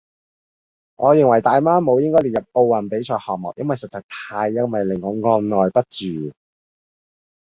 我認為大媽舞應該列入奧運比賽項目，因為實在太優美，令人按耐不住